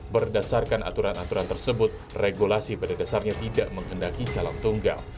berdasarkan aturan aturan tersebut regulasi pada dasarnya tidak menghendaki calon tunggal